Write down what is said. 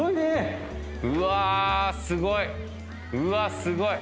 うわっすごい。